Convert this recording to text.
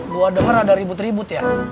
kau denger ada ribut ribut ya